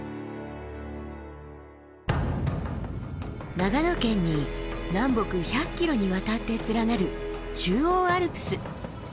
長野県に南北１００ｋｍにわたって連なる中央アルプス。